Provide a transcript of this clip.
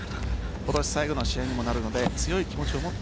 今年最後の試合にもなるので強い気持ちを持って